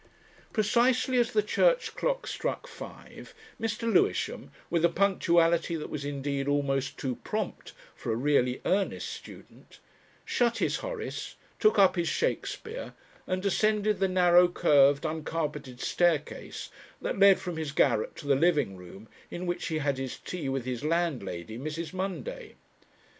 Precisely as the church clock struck five Mr. Lewisham, with a punctuality that was indeed almost too prompt for a really earnest student, shut his Horace, took up his Shakespeare, and descended the narrow, curved, uncarpeted staircase that led from his garret to the living room in which he had his tea with his landlady, Mrs. Munday.